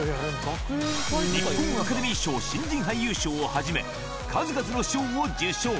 日本アカデミー賞新人俳優賞をはじめ、数々の賞を受賞。